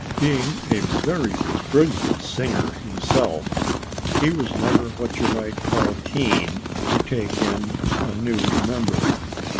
Being a very brilliant singer himself, he was never what you might call keen to take in a new member.